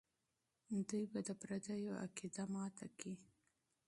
دوی به د پردیو عقیده ماته کړي.